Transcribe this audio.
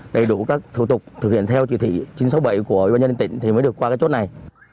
đầy đủ các thủ tục thực hiện theo trực thị chín trăm sáu mươi bảy của ubnd tỉnh thì mới được qua cái chốt này